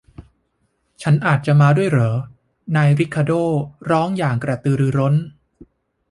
ฉันอาจจะมาด้วยเหรอ ? นายริคาร์โด้ร้องอย่างกระตือรือร้น